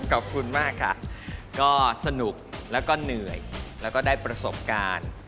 ขอบคุณมากค่ะก็สนุกแล้วก็เหนื่อยแล้วก็ได้ประสบการณ์